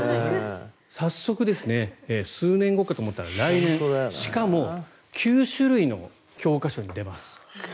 早速ですね数年後かと思ったら来年しかも９種類の教科書に出ます。